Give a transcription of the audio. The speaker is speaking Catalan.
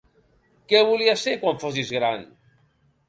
Què volies ser, quan fossis gran?